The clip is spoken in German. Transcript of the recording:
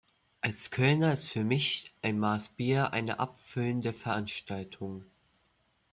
Als Kölner ist für mich eine Maß Bier eine abendfüllende Veranstaltung.